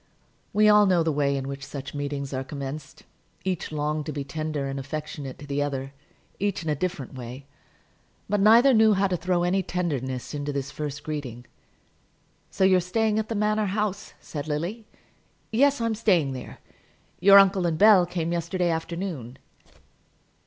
We all know the way in which such meetings are commenced. Each longed to be tender and affectionate to the other, each in a different way; but neither knew how to throw any tenderness into this first greeting. "So you're staying at the Manor House," said Lily. "Yes; I'm staying there. Your uncle and Bell came yesterday afternoon."